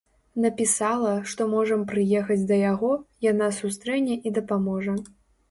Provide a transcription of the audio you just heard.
Напісала, што можам прыехаць да яго, яна сустрэне і дапаможа.